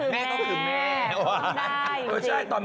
แม่ก็คือแม่